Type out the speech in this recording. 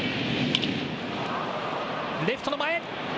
レフトの前。